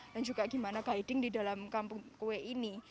juga gimana guiding di dalam kampung kue ini